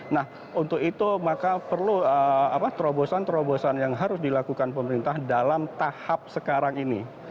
nah untuk itu maka perlu terobosan terobosan yang harus dilakukan pemerintah dalam tahap sekarang ini